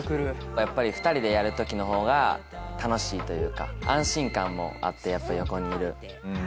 やっぱり２人でやる時の方が楽しいというか安心感もあってやっぱ横にいる。